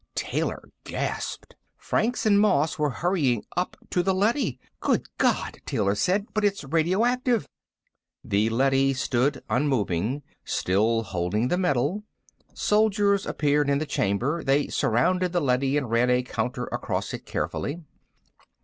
Taylor gasped Franks and Moss were hurrying up to the leady! "Good God!" Taylor said. "But it's radioactive!" The leady stood unmoving, still holding the metal. Soldiers appeared in the chamber. They surrounded the leady and ran a counter across it carefully.